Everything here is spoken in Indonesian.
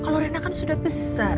kalau rena kan sudah besar